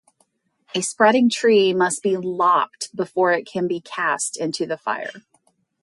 A spreading tree must be lopped before it can be cast into the fire.